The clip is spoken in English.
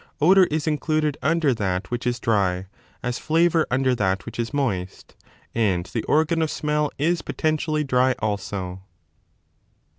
Odour is included under that which is dry, as flavour under that which is moist, and the organ of smell is potentially dry also.